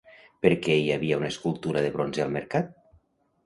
Per què hi havia una escultura de bronze al mercat?